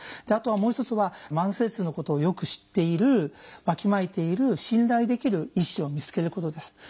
あとはもう一つは慢性痛のことをよく知っているわきまえている信頼できる医師を見つけることです。